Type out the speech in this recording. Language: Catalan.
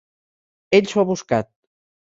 Ell s'ho ha buscat.